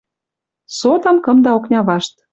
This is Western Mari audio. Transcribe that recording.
Сотым кымда окня вашт.